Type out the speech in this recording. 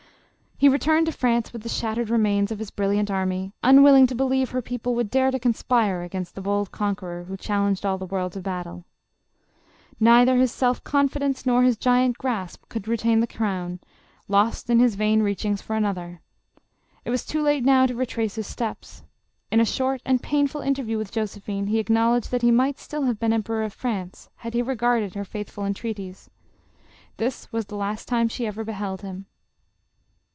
He re turned to France with the shattered remains of his brilliant army, unwilling to believe her people would dare to conspire against the bold conqueror who chal lenged all the world to battle. Neither his self confi dence nor his giant grasp could retain the crown, lost in his vain Teachings after another. It was too late now to retrace his steps. In a short and painful inter view with Josephine, he acknowledged that he might still have been emperor of France, had he regarded her faithful entreaties. This was the last time she ever be held him.